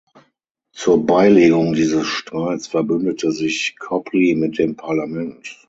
Zur Beilegung dieses Streits verbündete sich Copley mit dem Parlament.